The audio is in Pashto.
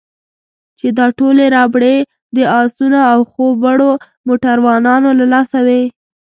چې دا ټولې ربړې د اسونو او خوب وړو موټروانانو له لاسه وې.